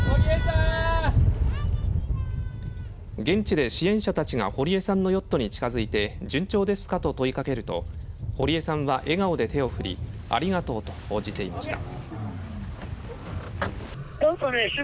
現地で支援者たちが堀江さんのヨットに近づいて順調ですかと問いかけると堀江さんは笑顔で手を振りありがとうと応じていました。